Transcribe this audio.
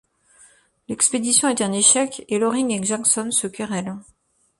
L'expédition est un échec et Loring et Jasckons se querellent.